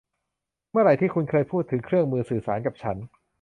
เมื่อไหร่ที่คุณเคยพูดถึงเครื่องมือสื่อสารกับฉัน